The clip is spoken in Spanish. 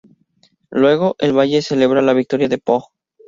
Luego, el Valle celebra la victoria de Po.